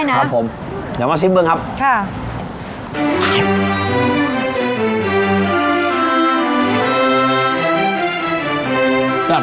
ก็กินได้นะเดี๋ยวมาซิบมึงครับครับ